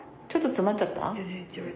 ちょっと詰まっちゃった？